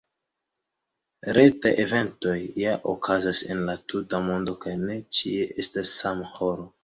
Retaj eventoj ja okazas en la tuta mondo kaj ne ĉie estas sama horo.